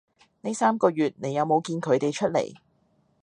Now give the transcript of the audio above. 呢三個月你有冇見佢哋出來